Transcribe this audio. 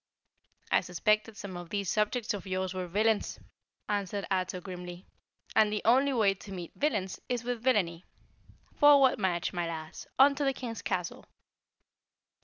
"I suspected some of these subjects of yours were villains," answered Ato grimly, "and the only way to meet villains is with villainy. Forward march, my Lass! On to the King's castle!"